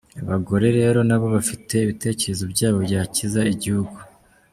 Abagore rero nabo bafite ibitekerezo byabo byakiza igihugu.